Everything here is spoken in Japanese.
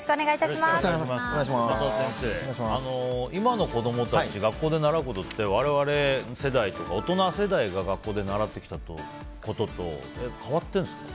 沼田先生、今の子供たちが学校で習うことって我々世代、大人世代が学校で習ってきたことと変わっているんですか。